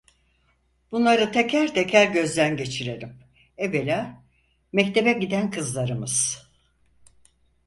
Bunları teker teker gözden geçirelim, evvela mektebe giden kızlarımız: